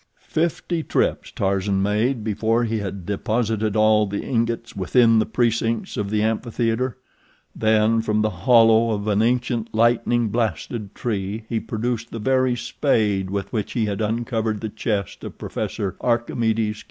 Fifty trips Tarzan made before he had deposited all the ingots within the precincts of the amphitheater. Then from the hollow of an ancient, lightning blasted tree he produced the very spade with which he had uncovered the chest of Professor Archimedes Q.